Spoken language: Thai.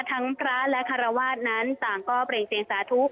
ทั้งพระและคารวาสนั้นต่างก็เบรกเสียงสาธุ